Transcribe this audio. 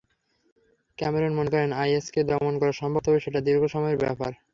Cameron মনে করেন, আইএসকে দমন করা সম্ভব, তবে সেটা দীর্ঘ সময়ের ব্যাপার।